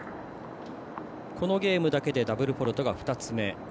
このゲームだけでダブルフォールトが２つ目。